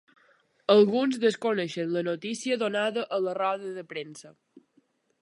Algunes desconeixen la notícia donada a la roda de premsa.